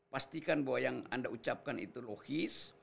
pastikan bahwa yang anda ucapkan itu logis